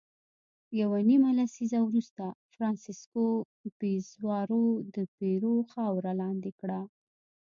یوه نیمه لسیزه وروسته فرانسیسکو پیزارو د پیرو خاوره لاندې کړه.